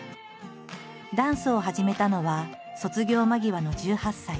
ダンスを始めたのは卒業間際の１８歳。